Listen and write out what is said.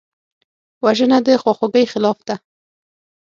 وژنه د خواخوږۍ خلاف ده